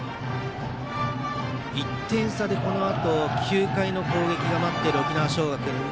１点差で、このあと９回の攻撃が待っている沖縄尚学。